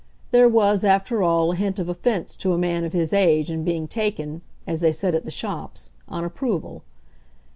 There was after all a hint of offence to a man of his age in being taken, as they said at the shops, on approval.